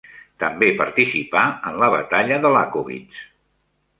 També participà en la batalla de Lakowitz.